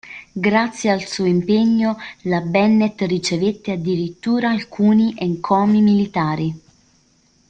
Grazie al suo impegno, la Bennett ricevette addirittura alcuni encomi militari.